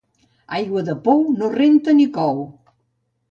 Aigua de pou no renta ni cou.